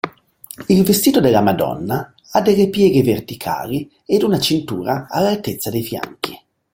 Il vestito della Madonna ha delle pieghe verticali ed una cintura all'altezza dei fianchi.